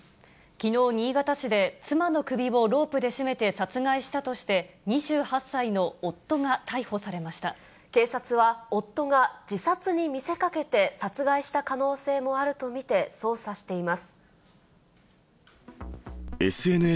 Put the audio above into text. きのう、新潟市で妻の首をロープで絞めて殺害したとして、２８歳の夫が逮警察は、夫が自殺に見せかけて殺害した可能性もあると見て捜査しています。